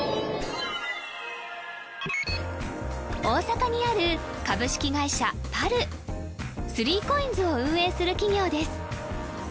大阪にある株式会社パルスリーコインズを運営する企業です